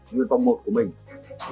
nguyên vọng một của mình